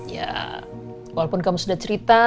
ya walaupun kamu sudah cerita